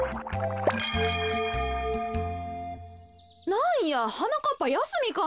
なんやはなかっぱやすみかいな。